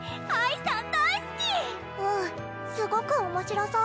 うんすごく面白そう。